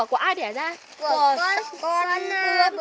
con bướm nó đẻ ra đúng không